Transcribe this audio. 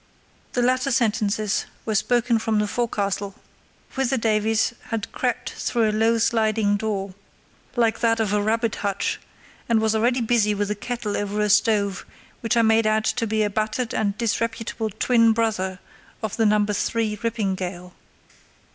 The latter sentences were spoken from the forecastle, whither Davies had crept through a low sliding door, like that of a rabbit hutch, and was already busy with a kettle over a stove which I made out to be a battered and disreputable twin brother of the No. 3 Rippingille.